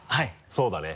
そうだね。